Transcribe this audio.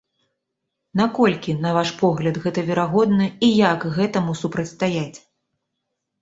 Наколькі, на ваш погляд, гэта верагодна і як гэтаму супрацьстаяць?